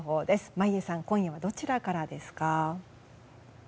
眞家さん今夜はどちらからですか？